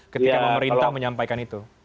ketika pemerintah menyampaikan itu